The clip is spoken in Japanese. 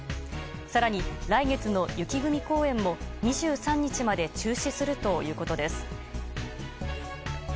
更に来月の雪組公演も２３日まで中止するということです。